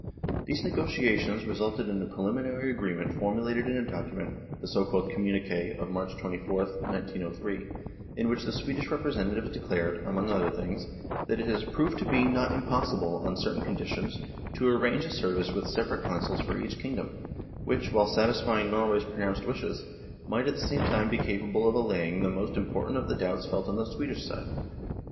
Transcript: These negotiations resulted in a preliminary agreement formulated in a document, the so called "Communique," of March 24, 1903, in which the Swedish representatives declared, among other things, that it has " proved to be not impos sible, on certain conditions, to arrange a service with separate Consuls for each kingdom, which, while satisfying Norway's pronounced wishes, might at the same time be capable of allaying the most important of the doubts felt on the Swedish side."